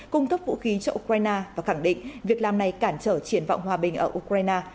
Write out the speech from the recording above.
cung cấp vũ khí cho ukraine và khẳng định việc làm này cản trở triển vọng hòa bình ở ukraine